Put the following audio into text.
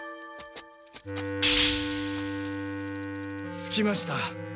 着きました。